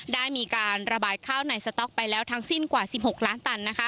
ได้มีการระบายข้าวในสต๊อกไปแล้วทั้งสิ้นกว่า๑๖ล้านตัน